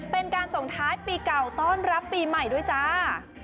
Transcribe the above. เป็นการส่งท้ายปีเก่าต้อนรับปีใหม่ด้วยจ้า